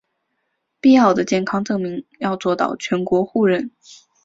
必要的健康证明要做到全国互认